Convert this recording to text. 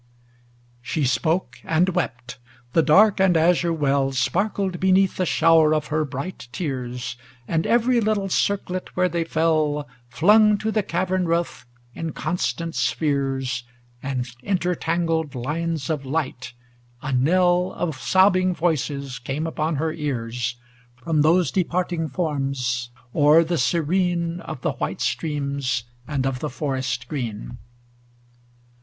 XXV She spoke and wept; the dark and azure well Sparkled beneath the shower of her bright tears. And every little circlet where they fell Flung to the cavern roof inconstant spheres And intertangled lines of light; a knell Of sobbing voices came upon her ears From those departing Forms, o'er the se rene Of the white streams and of the forest green.